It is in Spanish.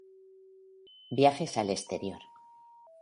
Viajes al exterior